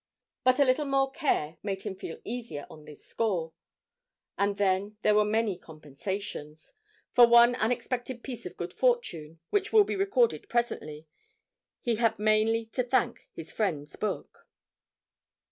But a little more care made him feel easier on this score, and then there were many compensations; for one unexpected piece of good fortune, which will be recorded presently, he had mainly to thank his friend's book.